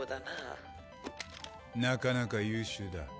なかなか優秀だ。